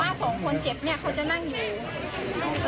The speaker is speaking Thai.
สองคนเจ็บเนี่ยเขาจะนั่งอยู่